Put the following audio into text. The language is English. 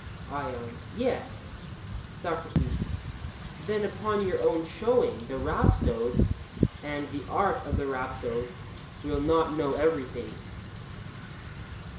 ION: Yes. SOCRATES: Then upon your own showing the rhapsode, and the art of the rhapsode, will not know everything?